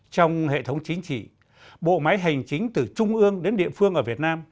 trong hệ thống chính trị bộ máy hành chính từ trung ương đến địa phương ở việt nam